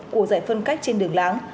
của dải phân cách trên đường láng